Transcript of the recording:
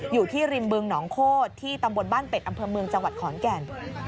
อยู่ที่ริมบึงหนองโคตรที่ตำบลบ้านเป็ดอำเภอเมืองจังหวัดขอนแก่น